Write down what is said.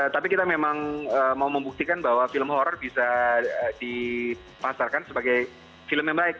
tapi kita memang mau membuktikan bahwa film horror bisa dipasarkan sebagai film yang baik